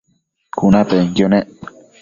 cunapenquio nec